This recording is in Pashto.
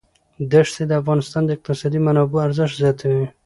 دښتې د افغانستان د اقتصادي منابعو ارزښت زیاتوي.